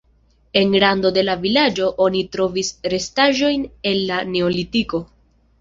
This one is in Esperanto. En rando de la vilaĝo oni trovis restaĵojn el la neolitiko.